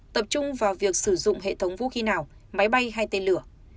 tập trung vào việc sử dụng hệ thống vũ khí nào máy bay hay tên lửa